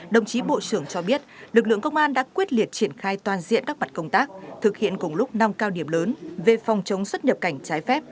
đồng chí bộ trưởng cho biết lực lượng công an đã quyết liệt triển khai toàn diện các mặt công tác thực hiện cùng lúc năm cao điểm lớn về phòng chống xuất nhập cảnh trái phép